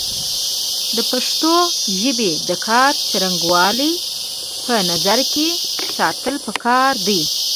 د پښتو ژبې د کار څرنګوالی په نظر کې ساتل پکار دی